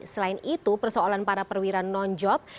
selain itu persoalan para perwira non job